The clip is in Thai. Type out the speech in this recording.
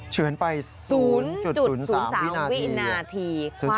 เฉือนไป๐๐๓วินาที